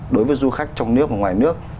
đối với du khách trong nước và ngoài nước